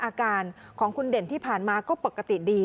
อาการของคุณเด่นที่ผ่านมาก็ปกติดี